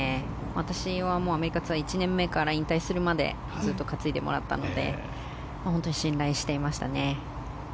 私はアメリカツアー１年目から引退するまでずっと担いでもらったので本当に信頼していましたね。